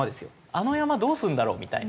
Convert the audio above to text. あの山どうするんだろう？みたいな。